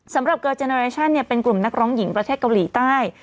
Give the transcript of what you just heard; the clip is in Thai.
สำหรับเกอร์เจเนอเรชั่นเป็นกลุ่มนักร้องหญิงประเทศเกาหลีใต้